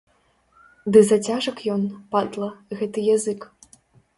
Ды зацяжак ён, падла, гэты язык.